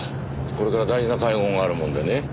これから大事な会合があるもんでね。